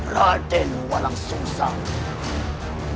raden walang susang